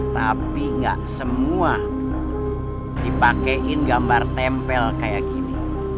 tapi gak semua dipakaiin gambar tempel kayak gini